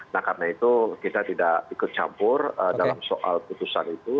nah karena itu kita tidak ikut campur dalam soal putusan itu